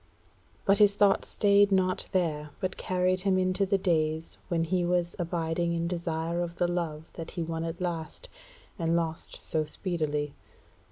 But his thought stayed not there, but carried him into the days when he was abiding in desire of the love that he won at last, and lost so speedily.